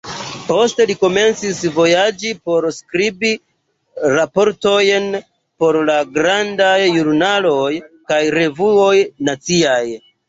Poste li komencis vojaĝi por skribi raportojn por la grandaj ĵurnaloj kaj revuoj naciaj.